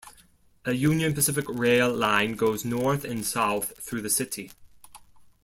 A Union Pacific rail line goes north and south through the city.